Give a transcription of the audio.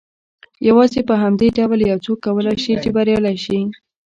يوازې په همدې ډول يو څوک کولای شي چې بريالی شي.